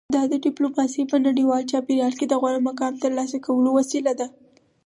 دا ډیپلوماسي په نړیوال چاپیریال کې د غوره مقام ترلاسه کولو وسیله ده